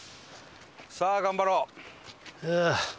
さあ頑張ろう。